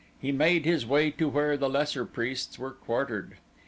He made his way to where the lesser priests were quartered.